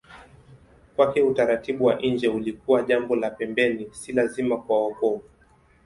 Kwake utaratibu wa nje ulikuwa jambo la pembeni, si lazima kwa wokovu.